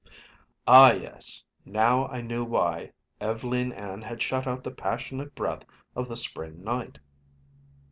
Ah, yes; now I knew why Ev'leen Ann had shut out the passionate breath of the spring night!